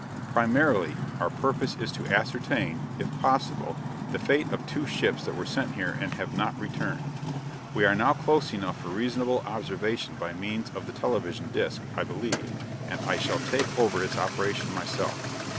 Primarily, our purpose is to ascertain, if possible, the fate of two ships that were sent here and have not returned. We are now close enough for reasonable observation by means of the television disc, I believe, and I shall take over its operation myself.